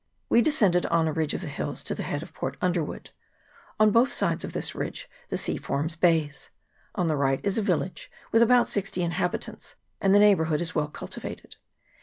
We descended on a ridge of the hills to the head of Port Underwood. On both sides of this ridge the sea forms bays. On the right is a village, with about sixty inhabitants, and the neighbourhood is well cultivated.